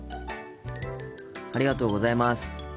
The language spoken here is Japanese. ありがとうございます。